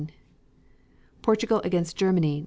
Portugal against Germany, Nov.